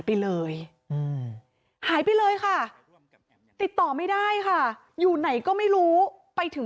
ไปเลยหายไปเลยค่ะติดต่อไม่ได้ค่ะอยู่ไหนก็ไม่รู้ไปถึง